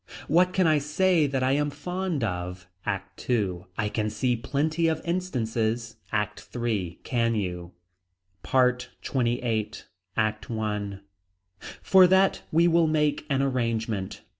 What can I say that I am fond of. ACT II. I can see plenty of instances. ACT III. Can you. PART XXVIII. ACT I. For that we will make an arrangement.